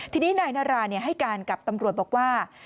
ทีนี้นายนาราให้การกับตำรวจบอกว่า